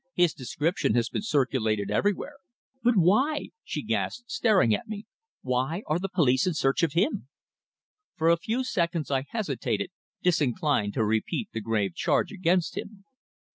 "His description has been circulated everywhere." "But why?" she gasped, staring at me. "Why are the police in search of him?" For a few seconds I hesitated, disinclined to repeat the grave charge against him.